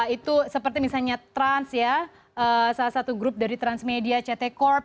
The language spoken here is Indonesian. itu seperti misalnya trans ya salah satu grup dari transmedia ct corp